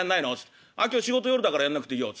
「ああ今日仕事夜だからやんなくていいよ」っつって。